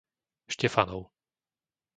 Štefanov